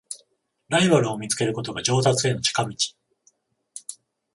ライバルを見つけることが上達への近道